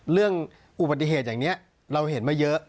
เรื่องอุบัติเหตุอย่างนี้เราเห็นมาเยอะ